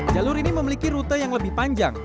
jalur ini memiliki rute yang lebih panjang